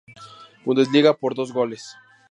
Bundesliga por dos goles.